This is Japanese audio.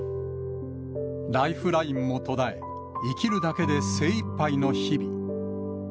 ライフラインも途絶え、生きるだけで精いっぱいの日々。